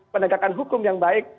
penegakan hukum yang baik